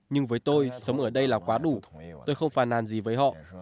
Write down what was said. nhưng với tôi sống ở đây là quá đủ tôi không phàn nàn gì với họ